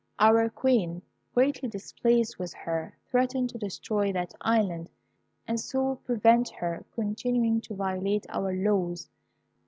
"Our Queen, greatly displeased with her, threatened to destroy that island, and so prevent her continuing to violate our laws.